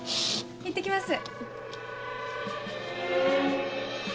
行って来ます。